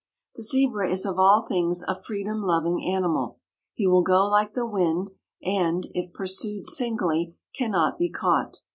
The Zebra is of all things a freedom loving animal. He will go like the wind and, if pursued singly, cannot be caught.